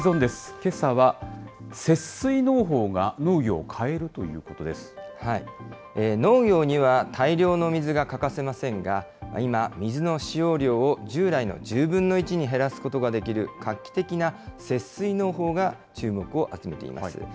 けさは節水農法が農業を変えるということで農業には大量の水が欠かせませんが、今、水の使用量を従来の１０分の１に減らすことができる画期的な節水農法が注目を集めています。